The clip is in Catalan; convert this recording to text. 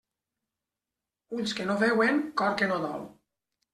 Ulls que no veuen, cor que no dol.